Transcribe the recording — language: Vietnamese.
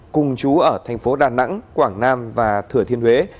cùng chú ở thành phố đà nẵng quảng nam và thừa thiên huế